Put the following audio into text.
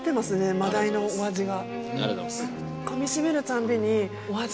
真鯛のお味が。